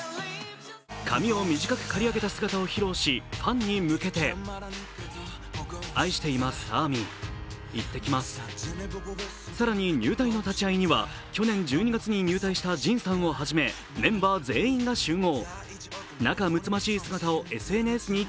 髪を短く刈り上げた姿を披露しファンに向けて更に、入隊の立ち会いには、去年１２月に入隊したＪＩＮさんをはじめ、メンバー全員が集合。